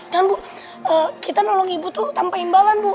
bu kita nolong ibu tuh tanpa imbalan bu